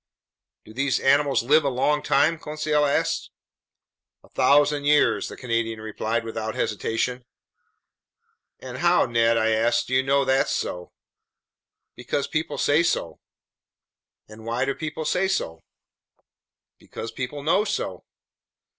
"Do these animals live a long time?" Conseil asked. "A thousand years," the Canadian replied without hesitation. "And how, Ned," I asked, "do you know that's so?" "Because people say so." "And why do people say so?" "Because people know so."